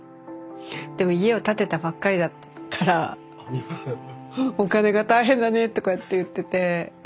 でも家を建てたばっかりだからお金が大変だねとかって言ってて。